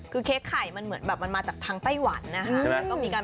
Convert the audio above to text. คือเค้กไข่มันเหมือนแบบมันมาจากทางไต้หวันนะคะ